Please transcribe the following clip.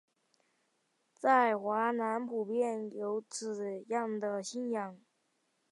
在华南普遍有此样的信仰。